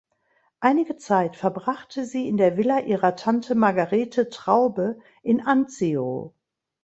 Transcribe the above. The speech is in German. Einige Zeit verbrachte sie in der Villa ihrer Tante Margarete Traube in Anzio.